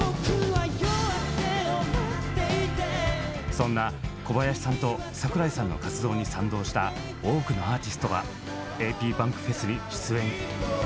そんな小林さんと櫻井さんの活動に賛同した多くのアーティストがａｐｂａｎｋｆｅｓに出演。